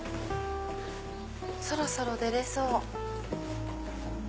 そろそろ出れそう。